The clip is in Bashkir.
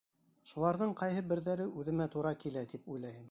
Шуларҙың ҡайһы берҙәре үҙемә тура килә тип уйлайым.